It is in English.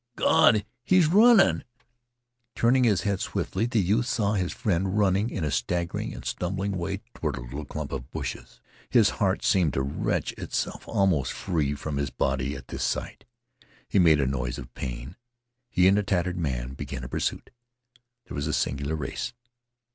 "Gawd! He's runnin'!" Turning his head swiftly, the youth saw his friend running in a staggering and stumbling way toward a little clump of bushes. His heart seemed to wrench itself almost free from his body at this sight. He made a noise of pain. He and the tattered man began a pursuit. There was a singular race.